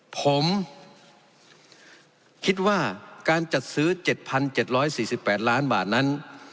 ผมคิดว่าการจัดซื้อ๗๗๔๘ล้านบาทนั้น